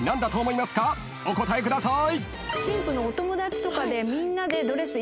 ［お答えください］